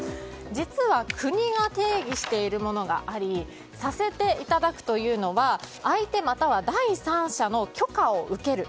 実は国が定義しているものがありさせていただくというのは相手または第三者の許可を受ける。